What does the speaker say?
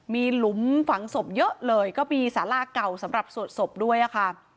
มีหลุมฝังศพเยอะเลยก็มีสาราเก่าสำหรับสวดศพด้วยค่ะ